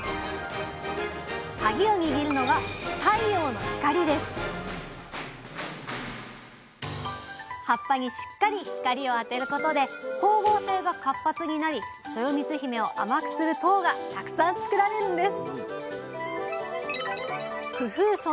カギを握るのが葉っぱにしっかり光を当てることで光合成が活発になりとよみつひめを甘くする糖がたくさん作られるんです